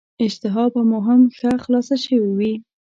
اشتها به مو هم ښه خلاصه شوې وي.